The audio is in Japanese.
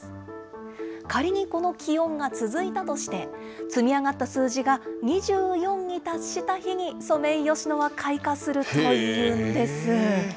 仮にこの気温が続いたとして、積み上がった数字が２４に達した日に、ソメイヨシノは開花するというんです。